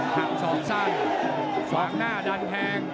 หักสองซั่งสว่างหน้าดันแคง